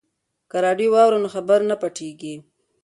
که راډیو واورو نو خبر نه پټیږي.